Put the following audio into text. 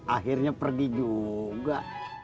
akhirnya pergi juga